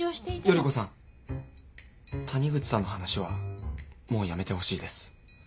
依子さん谷口さんの話はもうやめてほしいです。